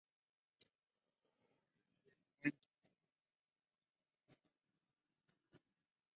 Israel Porush had been born in Jerusalem and educated in Germany.